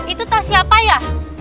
itu tas siapa ya